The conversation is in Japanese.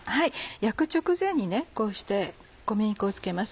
焼く直前にこうして小麦粉を付けます。